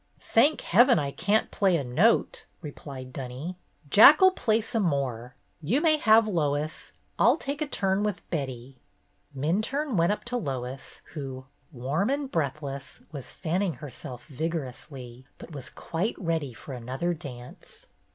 "Thank heaven, I can't play a note," re plied Dunny. "Jack 'll play some more. You may have Lois. I 'll take a turn with Betty." Minturne went up to Lois, who, warm and breathless, was fanning herself vigorously, but was quite ready for another dance.